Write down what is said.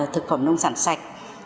thực phẩm nông sản sạch